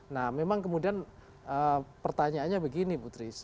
nah memang kemudian pertanyaannya begini putri